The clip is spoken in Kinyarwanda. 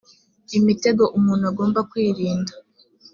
imitego umuntu agomba kwirinda